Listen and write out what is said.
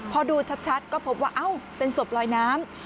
พอดูชัดก็พบว่าเป็นศพลอยน้ำ